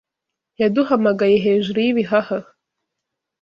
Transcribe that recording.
Yaduhamagaye hejuru yibihaha.